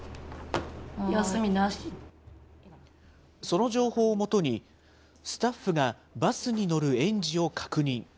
その情報を基に、スタッフがバスに乗る園児を確認。